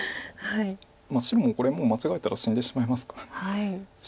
まあ白もこれ間違えたら死んでしまいますから慎重に。